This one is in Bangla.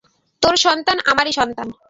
তোমার সন্তান আমারই সন্তান।